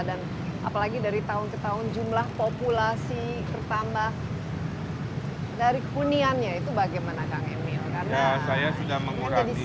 dan apalagi dari tahun ke tahun jumlah populasi tertambah dari kekuniannya itu bagaimana kang emil